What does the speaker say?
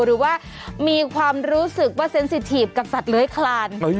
หรือว่ามีความรู้สึกว่าเซ็นสิทีฟกับสัตว์เลื้อยคลาน